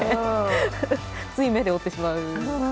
つい目で追ってしまう。